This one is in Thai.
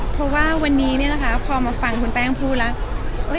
เพราะว่าวันนี้พอมาฟังคุณแป้งพูดแล้ว